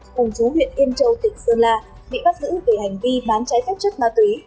cùng chú huyện yên châu tỉnh sơn la bị bắt giữ về hành vi bán trái phép chất ma túy